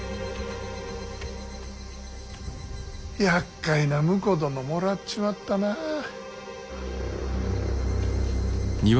やっかいな婿殿もらっちまったなあ。